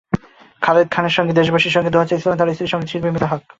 খালেদ খানের জন্য দেশবাসীর কাছে দোয়া চেয়েছেন তাঁর স্ত্রী সংগীতশিল্পী মিতা হক।